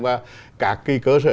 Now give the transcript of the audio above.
và các cái cơ sở